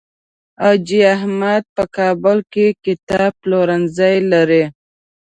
حاجي احمد په کابل کې کتاب پلورنځی لري.